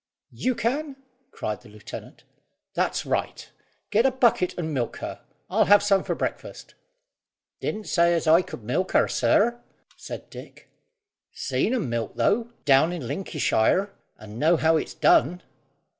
"You can?" cried the lieutenant, "that's right; get a bucket and milk her. I'll have some for breakfast." "Didn't say as I could milk, sir," said Dick. "Seen 'em milk, though, down in Linkyshire, and know how it's done."